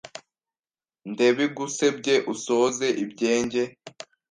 Ndebigusebye Usoze ibyenjye